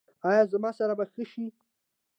ایا زما سر به ښه شي؟